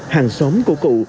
hàng xóm của cụ